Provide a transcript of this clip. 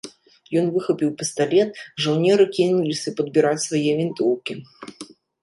Ён выхапіў пісталет, жаўнеры кінуліся падбіраць свае вінтоўкі.